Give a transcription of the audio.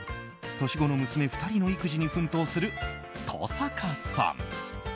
年子の娘２人の育児に奮闘する登坂さん。